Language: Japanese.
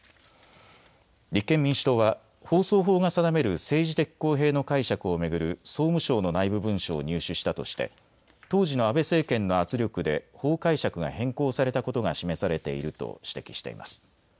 立憲民主党は放送法が定める政治的公平の解釈を巡る総務省の内部文書を入手したとして当時の安倍政権の圧力で法解釈が変更されたことが示されていると指摘しています。